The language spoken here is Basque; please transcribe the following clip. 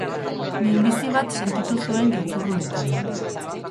Min bizi bat sentitu zuen giltzurrunetan.